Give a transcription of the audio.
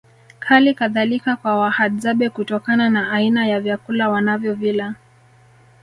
Hali kadhalika kwa Wahadzabe kutokana na aina ya vyakula wanavyovila